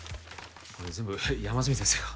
これ全部山住先生が？